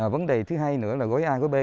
vấn đề thứ hai nữa là gói a gói b